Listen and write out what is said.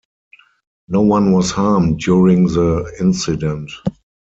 No one was harmed during the incident.